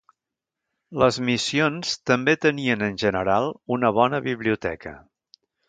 Les missions també tenien en general una bona biblioteca.